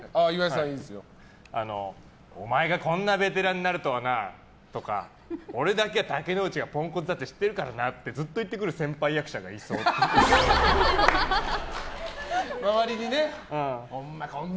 お前がこんなベテランになるとはなとか俺だけは竹野内がポンコツだって知ってるからなってずっと言ってくる周りにね。